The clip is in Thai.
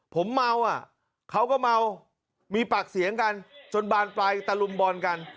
ผมเมาอ่ะเขาก็เมามีปากเสียงกันจนบานปลายตะลุมบอลกัน